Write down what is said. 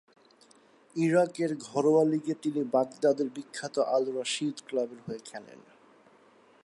ইরাকের ঘরোয়া লীগে তিনি বাগদাদের বিখ্যাত আল-রাশিদ ক্লাবের হয়ে খেলেন।